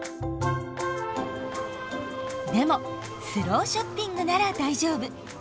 でもスローショッピングなら大丈夫。